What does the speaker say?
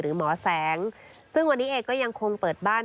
หมอแสงซึ่งวันนี้เองก็ยังคงเปิดบ้าน